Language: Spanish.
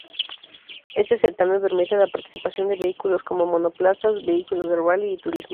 Este certamen permite la participación de vehículos como: Monoplazas, vehículos de rally y turismos.